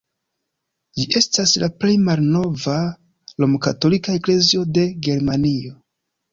Ĝi estas la plej malnova rom-katolika eklezio de Germanio.